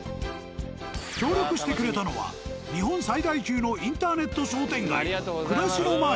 協力してくれたのは日本最大級のインターネット商店街くらしのマーケット。